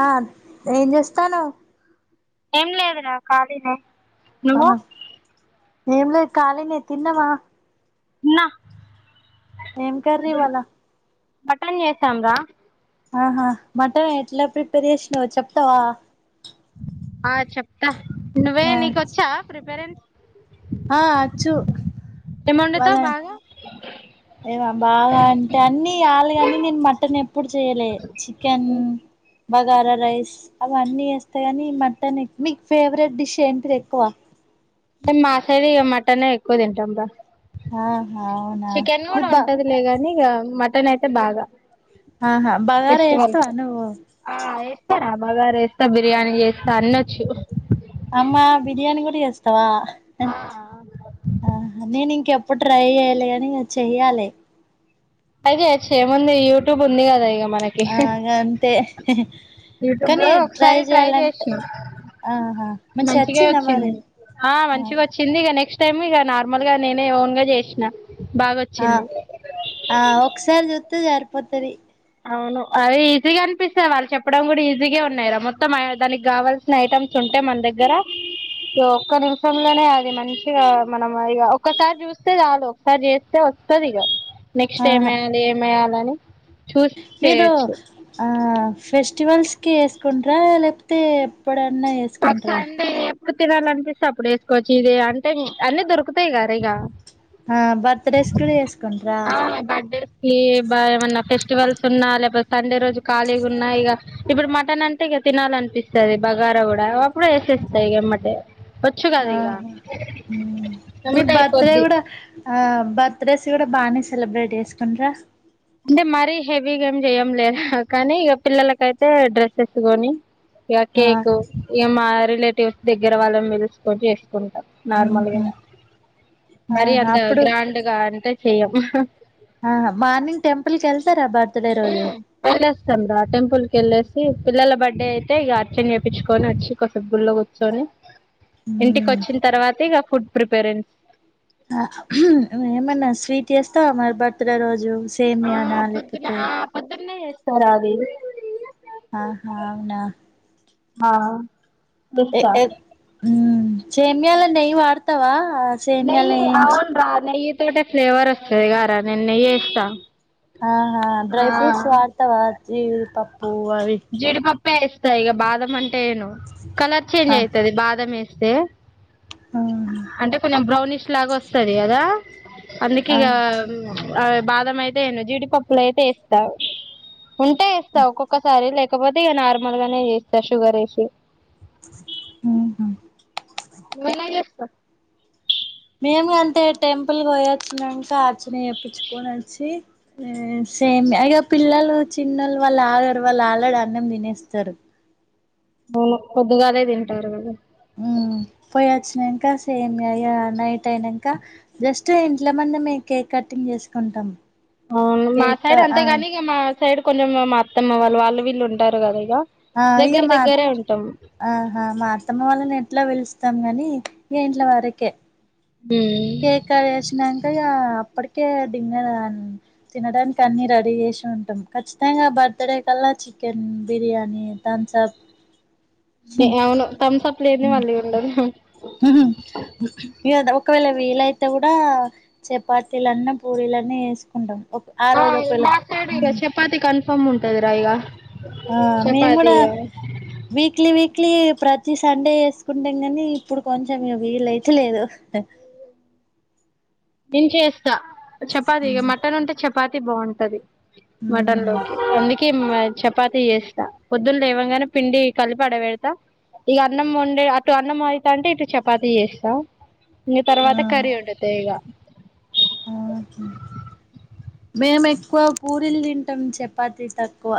ఆ ఏం చేస్తాన్నావ్ ఏం లేదు నా ఖాళీనే నువ్వ ఆహా ఏం లేదు ఖాళీనే తిన్నావ నా ఏం కర్రీ ఇవాళ్ళ మట్టన్ చేసాం రా ఆహా మటన్ ఎట్లా ప్రిపరేషన్ చేస్నావో చెప్తావా ఆ చెప్తా నువ్వే ఆ నీకొచ్చా ప్రిపరెన్స్ ఆ అచ్చు ఏం ఇవాళ వండుతావ్ బాగా ఏవ బాగా అంటే అన్ని వాళ్ళగాని నేను మటన్ ఎప్పుడు చేయలే చికెన్ బగారా రైస్ అవన్నీ వేస్తాయి కానీ మటన్ మీకు ఫేవరెట్ డిష్ ఏంటిది ఎక్కువ అంటే మాసైడ్ ఇగ మటనే ఎక్కువ తింటాం రా ఆహా అవునా చికెన్ మీ కూడా బ ఉంటదిలేగానీ ఇక మటన్ అయితే బాగా ఆహా బగార ఫెస్టివల్స్ ఎస్తవా నువ్వు ఆ బాగరా వేస్తా బిర్యానీ చేస్తా అన్నొచ్చు అమ్మా బిరియాని కూడా వేస్తా అవా ఆ నేనుంకప్ప అప్పుడు ట్రై చేయాలి అని చెయ్యాలి అ ఏమంది యూట్యూబ్ ఉంది క అదా ఇ అగా అంతే యూట్యూబ్ కానీ లో ట్రై ఒకసారి చేయాలంటే ఆహా మంచిగా వచ్చిందా మరి వచ్చింది ఆ మంచిగా వచ్చింది నెక్స్ట్ టైమ్ ఇక నార్మల్ గా నేనే ఓన్ గా చేసినా ఆ ఆ ఒకసారి జత్త జ ప్పత్డి అవును అది ఈజీగా అనిపిస్తుంది వాళ్ళు చెప్పడం కూడా ఈజీగా ఉన్నారా మొత్తం దానికి కావాల్సిన ఐటమ్స్ ఉంటాయి మన దగ్గర సో ఒక్క నిమిషంలోనే అది మంచిగా మనం ఇక ఒకక్కసారి చూస్తే చాలు ఒకసారి చేస్తే వస్తుంది ఇక నెక్స్ట్ ఏమి వెయ్యాలి ఏమి వేయాలిని మ ఆ ఫెస్ రేస్టివల్స్ కి వేసుకుంటార లేకపోతే ఎప్పుడ ఉన్నా వేసుకుంట్రా తినాలినిపిస్తే అప్పుడు వేసుకోవచ్చు ఇద అంటే అన్నీ దొరుకుతాయి గారు ఇక ఆ బర్త్డేస్ కూడా చేసుకుంటారా బడేస్ ఏమన్నా ఫెస్టివల్స్ ఉన్నా లేకపోతే సండే రోజు ఖాళీగా ఉన్నా ఇక ఇప్పుడు మటన్ అంటే ఇక తినాల అనిపిస్తుంది బగారా కూడా ప్పుడే ఎసెస్స్తయి గమ్ వచ్చు కద ఇక ఆహా మ్మ్ మీరు నమ్మట బర్త్డే అయిపోద్ది కూడా ఆ బర్త్డేస్ కూడా బాగానే సెలబ్రేట్ చేసుకుంట్రా అంటే మరీ హెవీ గ ఏం చేయంలేదా కానీ ఇక పిల్లలకైతే డ్రెస్సెస్ కొని ఆ కేకు ఏ మా రిలేటివ్స్ దగ్గర వాళ్ళని మెలుసుకొని ా మ్మ్ నార్మల్గా హ్మ్ మరి ఆహా అంత అప్పుడు గ్రాండ్గా అంటే చేయం అకిళ్తారా బా పత్త పేరు అజదు చంద్ర టెంపుల్ కి వెళ్ళేసి పిల్లల బర్త్డే అయితే ఇక అర్చన్ చేయిించుకొని వచ్చి సిబ్బుర్లో కూర్చొని ఇంటికి మ్మ్ వచ్చిన తర్వాత ఇక ఫుడ్ ప్రిపెరెన్స్ ఏమనా స్వీట్ చేస్తా అరి బర్త్డే రోజు సే మయానాలపోతే సవది ఆహా అవునా ఆా మాల న వారత తవా నెయ్యి అవునరా నెయ తోట ఫ్లేవర్ వస్తుంది గారా నేన్నె చేస్తా ఆా డ్రై ఫ్రూట్స్ వాడతవా పోవరి ఇస్తా ఇ బామ్ం అంట ను కలర్ చ చేంజ్ ఆ అవుతుది బా మేస్త స అంటే కొంచెం బ్రౌనిష్ లాగా వస్తుంది కదా అందుకి ఆ ఆ ఇక బాదం అయితేను జీడిపప్పులు అయితే వేస్తావు ఉంటే ఇేస్తా ఒక్కొక్క సరే లేకపోతే ఇక నార్మల్ గానే చేస్తారు షుగర్ వేసి హుహు నువ్వెలా చేస్తావ్ మేము అంతే టెంపుల్ పోయివచ్చినంక అర్చన చేప్పించుకొని వచ్చి సేమ్ ఇగ పిల్లలు చిన్నోళ్ళు వాళ్ళు ఆగరు వాళ్ళు ఆల్రెడీ అన్నం తినేస్తారు అవును పొద్దిగాలే తింటారు కదా మ్ పోయి వచ్చినాక సేమ్యా ఇగ నైట్ అయినాక జస్ట్ ఇంట్లో మందమే కేక్ కటింగ్ చేసుకుంటాం అవును మా కేక్ సైడ్ ఆ అంతేగాని ఇగ మా సైడ్ కొంచెం మ అత్తమ్మ వాళ్ళు వాళ్ళు వీళ్ళు ఉంటారు కదా ఇగ ఆ ఇగ మా ఆ హా మా అత్తమ్మ వాళ్లని ఎట్లా పిలుస్ స్తం గాని ఇంట్ల వరకే. ఉమ్. కేక్ కట్ చేసినంక ఇగా అప్పటి కే డిన్నర్ ఆ తినడానికి అన్ని రెడీ చేసి ఉంటం. ఖచ్చితంగా బర్త్ డే కల్లా చికెన్ బిర్యానీ, తమ్స్అప్ దే అవును థమ్స అప్ లేనిదే మళ్ళీ ఉండదు ఇగ ఒకవేళ వీలైతే కూడా చపాతీలన్న, పూరీలన్న చేసుకుంటం ఆ నార్త్ సైడ్ ఇగ చపాతి కన్ఫర్మ్ ఉం టదిరా ఇగా ఆ మేము కూడ వీక్లీ వీక్లీ ప్రతి సండే చేసుకుంటాం కానీ ఇప్పుడు కొంచం ఇగ వీలు అయితలేదు దించేస్ త చపాతికి మ్ మటన్ ఉంటే చప్ పాతి బాగుంటది మటన్ లో మ్ అందుకె కిమ్ చపాతి చేస్తా పొద్దున్న లేవంగానే పిండి కలిపి ఆడ పెడతా. ఇగ అన్నం వండే అటు అన్నం అయితాంటే ఇటు చపాతీ చేస్తా. ఇంగ ఆ తర్వాత కర్రీ ఒండుతా ఇగ ఆ హా మేము ఎక్కువ పూరీలు తింటం చపాతి తక్కువ.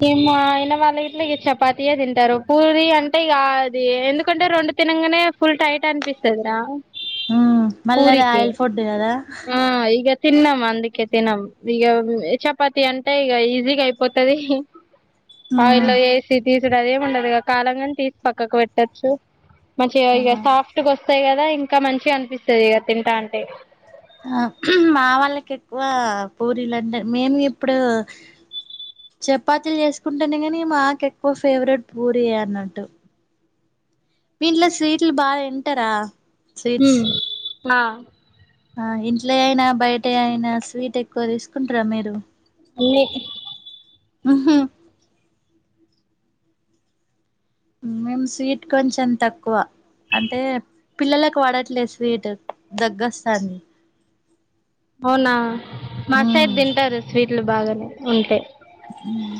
గీ మా ఆయిన వాళ్ళ గిట్ల ఇగ చపాతియే తింటరు పూరి అంటే ఇగ అది ఎందుకంటే రెండు తినంగనే ఫుల్ టైట్ అనిపిస్తదిరా. మ్మ్ మళ్ళ అది పూరికి ఆయిల్ ఫుడ్ కదా. ఆ ఇగ తిన్నాం అందుకే తినం ఇగ చపాతి అంటే ఇగ ఈజీగా అయిపోతది. ఉమ్ ఆయిల్ల ఏసి తీసుడు అదేమి ఉండదుగా కాలంగనే తీసి పక్కకు పెట్టొచ్చు. మంచిగా ఇగ ఆ సాఫ్టగా వస్తయి కదా. ఇంక మంచిగ అనిపిస్తది అది తింటావుంటే. ఆ మా వాళ్ళకి ఎక్కువ పూరీలు అంటే మేము ఇప్పుడు చపాతీలు చేసుకుంటనే కానీ మాకు ఎక్కువ ఫేవరెట్ పూరీయే అన్నట్టు. మీ ఇంట్ల స్వీట్లు బాగ తింటరా హ్మ్ ఆ ఆ ఇంట్ల అయినా, బయట అయినా స్వీట్ ఎక్కువ తీసుకుంటరా మీరు? ఒన్లి మ్ హ్ మేము స్వీట్ కొంచెం తక్కువ అంటే పిల్లలకు పడట్లేదు స్వీటు దగ్గు వస్తాంది. అవునా మా సైడ్ ఉమ్ తింటరు స్వీట్ ట్లు బాగనే ఉంటయి. మ్మ్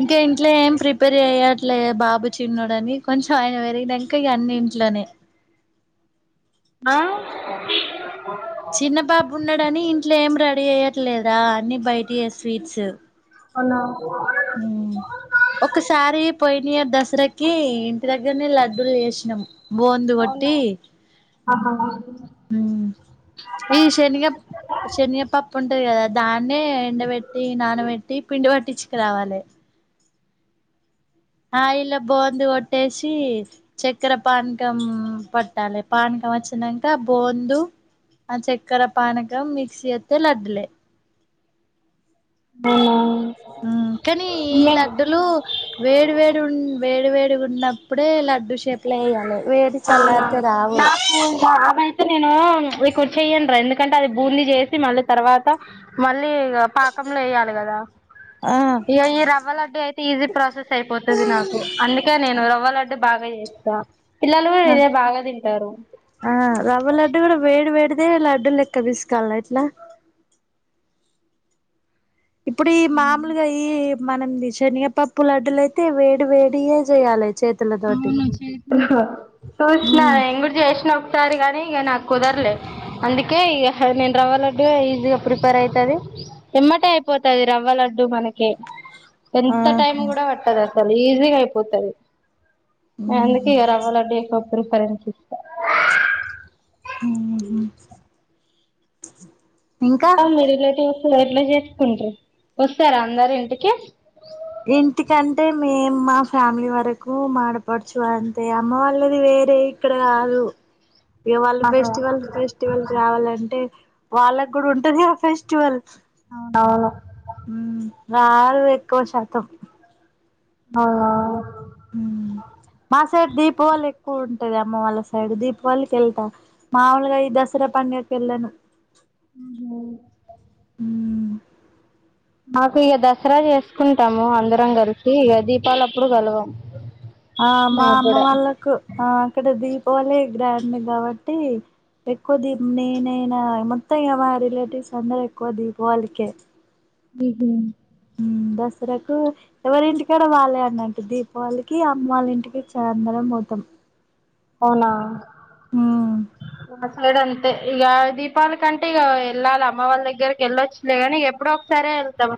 ఇంక ఇంట్లో ఏం ప్రిపేర్ చెయట్లేదు బాబు చిన్నోడని కొంచెం ఆయన పెరిగినంక ఇగ అన్ని ఇంట్లనే ఆ అ చిన్న బాబు ఉన్నాడని ఇంట్లో ఏం రెడీ అయ్యారు లేదా అన్ని బయటి స్వీట్స్ అవునా ఒకసారి పోయి మీద దసరాకి ఇంటి దగ్గరనే లడ్డలు చేసినాము బోందు కొట్టి ఆహా ఈ శని శనిగప్పప్పు ఉంటది కదా దా అన్న ఎండపేట్టి నాన పేట్టి పిండి వట్టి రావాలి ఆ ఇలా బూందు కొట్టేసి చక్కెర పానకం పట్టాలి పానకం వచ్చినాక ఆ బూందు ఆ చక్కెర పానకం మిక్సీ అస్త లడ్డలే అ కాని ఈ లడ్డలు వేడి వేడి ఉ వేడి వేడి ఉన్నప్పుడే లడ్డు షేప్ లా ఎయ్యాలే అవునవును నాకు ఇక ఆమె అయితే నేను ఇకు చెయ్యడి రా ఎందు ఎందుకంటే అది బూందీ చేసి మళ్ళీ తర్వాత మళ్ళీ పాకంలో వేయాలి కదా ఆ ఇ ఈ రవ్వలడ్డీ అయితే ఈజీ ప్రాసెస్ అయిపోతుంది నాకు అందుకే నేను రవ్వ లడ్డీ బాగా వ ఎస్త ఆ రవ్వ లడ్డు కూడా వేడి వేడి న లడ్డు లెక్క పిసకాలా ఎట్లా ఇప్పుడు ఈ మామూలుగా ఈ మనం దశనిగపప్పు లడ్డల అయితే వేడి వేడిగా చేయాలై చేతుల తోటి హా చూసిన నేను కూడా చేసిన ఒక సారి కానీ ఇంకా నాకు కుదరలే అందుకే ఇ నేను రవ్వ లడ్డు ఈజీగా ప్రిపేర్ అవుతది ఎమ్మటి అయిపోతది రవ్వ లడ్డు మనకి ఎంత టైమ్ ఆహా కూడా పట్టంది అ ఈజీగా అయిపోతుది ఊహు ఎందుకే రవ్వ లడ్డు ప్రిఫరెన్స్ ఇస్తా ఆ మీ రిలేటివ్ ఎట్ల చేసుకుంటారు వస్తారా అందరు ఇంటికి ఇంటికంటే మేము మా ఫ్యామిలీ వరకు మా ఆడపడుచు అంతే అమ్మ వాళ్ళది వేరే ఇక్కడ కాదు వాళ్ళు ఆహా ఫెస్టివల్ ఫెస్టివల్ రావాలంటే వాళ్ళకి కూడా ఉంటంది ఫెస్టివల్ అవును రారు ఎక్కువ శాతం అవు మాసడ్ దీపావళి ఎక్కువ ది అమ్మ వాళ్ళ సైడ్ దీపావళికి వెళ్తా మాముూలుగా ఈ దసరా పండుగకి వెళ్ళను హ మాకు ఇక దసరా చేసుకుంటాము అందరం కలిసి ఇక దీపాలు అప్పుడు కలవం ఆ మా మాకు అమ్మ కూడా వాళ్ళకు ఆ అక్కడది పోలే గ్రాండ్ కాబట్టి ఎక్కువ దీప్ నేనైనా మొత్తంగా మా రిలేటివ్స్ అందరుూ ఎక్కువ దీపవళికే విగ దసరాకు ఎవరింటికాడ వాలే అన్నట్టు దీపావళికి అమ్మళ్ళ ఇంటికి చందరం మూతం అవునా ఆ ఆ సైడ్ అంతే ఇక దీపాల కంటే ఇక వెళ్ళాలి అమ్మ వాళ్ళ దగ్గరకి వెళ్ళొచ్చులే కాని ఎప్పుడో ఒకసారే వెళ్తాము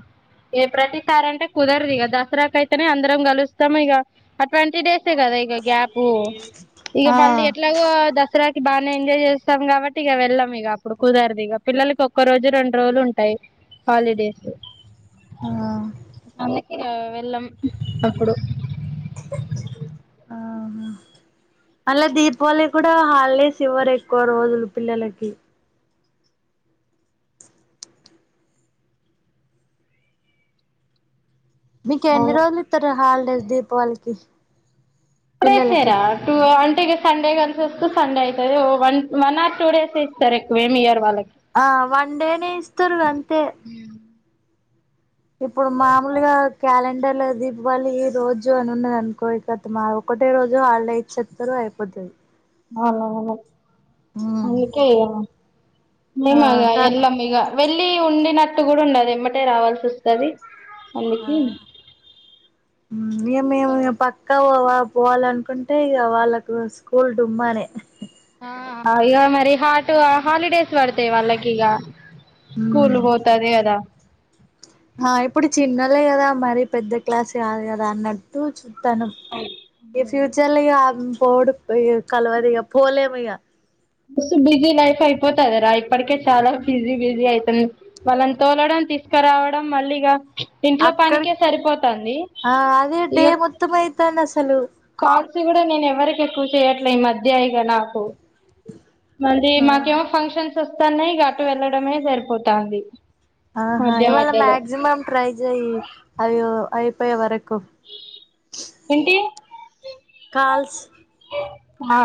ఏ ప్రతిసార అంటే కుదరదు ఇక దసరాక అయితేనే అందరం కలుస్తాము ఇక ట్వంటీ డేస్ కదా ఇక గ్యాప్ ఇక ఆ మళ్ళీ ఎట్లాగో దసరా బాగానే ఎంజాయ్ చేస్తాం కాబట్టి ఇక వెళ్ళాం ఇక అప్పుడు కుదరదు ఇక పిల్లలకి ఒక్క రోజు రెండు రోజులు ఉంటాయి హాలిడేస్ ఆ అకి వెళ్ళం అప్పుడు ఆహ మళ్ళీ దీపావళి కూడా హాలడేస్ ఇవరు ఎక్కువ రోజులు పిల్లలకి మీకు ఎన్ని అవును రోజులు ఇస్తారు హల్డేస్ దీపావళికి పిల్లలకి ప్పురా సండే కలిసి వస్తూ సండే అవుతుది ఓ one one or two days ఇస్తారు ఎక్వేమ్ ఇయర్ వాళ్ళకి ఆ వన్ డేనే ఇస్తారు అంతే ఇప్పుడు మామూలుగా క్యాలెండర్ ఇట్లా దీపావళి ఈ రోజు అని ఉన్నాది అనుకో కత మా ఒకటే రోజు వాళ్ళు ఇచ్చేస్తారు అయిపోతుది అలోలో అందుకే ఆ నిమగ తర్ ఎలాగ వెళ్లి ఉండినట్టు కూడా ఉండది ఎమటే రావాల్సి వస్తుది ఏమి పక్క వా పోవాలనుకుంటే ఇక వాళ్ళకు స్కూల్ డుమ్మానే ఇక మరి హాటు హాలిడేస్ పడతాయి వాళ్ళకి ఇక ఉమ్ స్కూలు పోతద అద అాలే కదా మరి పెద్ద క్లాస్ కాదు కదా అన్నట్టు చ స్తను ఈ ఫ్యూచర్ లో పోడు, ఇగ కల్వడిగ, పోలేమిగా. బస్సు బిజీ లైఫ్ అయిపోతదిరా, ఇప్పటికే చాలా బిజీ బిజీ అయితుంది. వాళ్ళని తోలడం తీసుకరావడం మళ్ళీగా అక్కడ, ఆ అదే డే ఇగ మొత్తం అయితాందసల్ హలో కాల్స్ కూడ నేను ఎవరికి ఎక్కువ చేయట్లే ఈ మధ్యయిగ నాకు. మల్లి ఆ మాకేమో ఫంక్షన్ సొస్తానయి, ఇగ అటు వెళ్లడమే సరిపోతాంది. ఆహా, మధ్య ఇవాళ మధ్యలో మాక్సిమం ట్రై చేయి. అయో అయ్ పోయే వరకు. ఏంటి? కాల్స్ మా